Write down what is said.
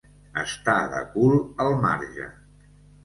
Estar de cul al marge.